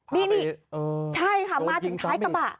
นี่ใช่ค่ะมาถึงท้ายกระบะ